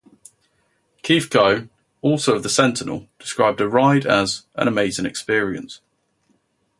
Keith Kohn, also of the "Sentinel", described the ride as "an amazing experience".